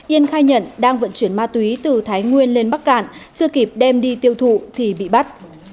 yên khai nhận đang vận chuyển ma túy từ thái nguyên lên bắc cạn chưa kịp đem đi tiêu thụ thì bị bắt